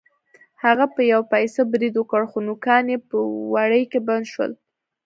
هغه په یو پسه برید وکړ خو نوکان یې په وړۍ کې بند شول.